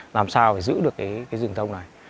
làm sao để giữ được cái rừng thông này